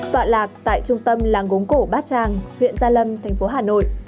toạn lạc tại trung tâm làng gốm cổ bát tràng huyện gia lâm thành phố hà nội